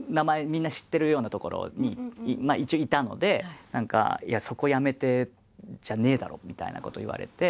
みんな知ってるようなところに一応いたのでそこを辞めてじゃねえだろみたいなこと言われて。